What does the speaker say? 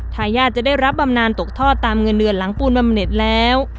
ทายาทจะได้รับบำนานตกทอดตามเงินเดือนหลังปูนบำเน็ตแล้ว